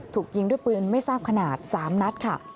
ถูกยิงด้วยปืนไม่ทราบขนาด๓นัดค่ะ